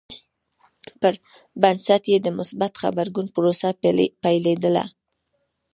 پر بنسټ یې د مثبت غبرګون پروسه پیلېده.